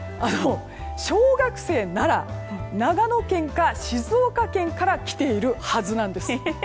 小学生なら、長野県か静岡県から来ているはずなんです。